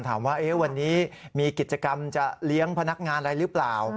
ถามว่าวันนี้มีกิจกรรมจะเลี้ยงพนักงานอะไรหรือเปล่า